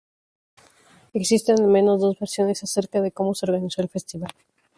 Existen al menos dos versiones acerca de cómo se organizó el festival.